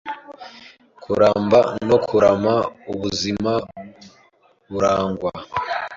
kuramba no kurama; ubuzima burangwa